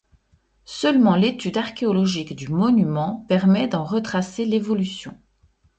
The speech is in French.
Seulement l'étude archéologique du monument permet d'en retracer l'évolution.